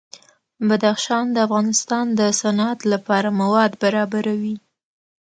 بدخشان د افغانستان د صنعت لپاره مواد برابروي.